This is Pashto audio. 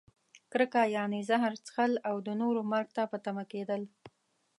کرکه؛ یعنې زهر څښل او د نورو مرګ ته په تمه کیدل.